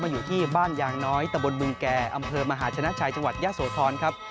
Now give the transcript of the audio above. อยู่ที่บ้านยางน้อยตะบนบึงแก่อำเภอมหาชนะชัยจังหวัดยะโสธรครับ